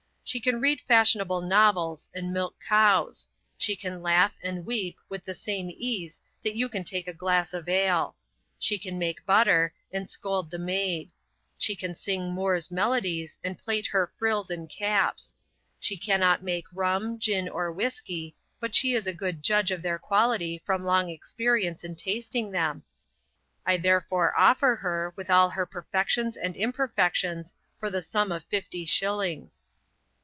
She can read fashionable novels and milk cows; she can laugh and weep with the same ease that you can take a glass of ale; she can make butter, and scold the maid; she can sing Moore's melodies, and plait her frills and caps; she cannot make rum, gin, or whiskey, but she is a good judge of their quality from long experience in tasting them, I therefore offer her, with all her perfections and imperfections, for the sum of fifty shillings.'